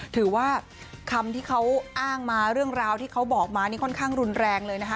ถือว่าคำที่เขาอ้างมาเรื่องราวที่เขาบอกมานี่ค่อนข้างรุนแรงเลยนะคะ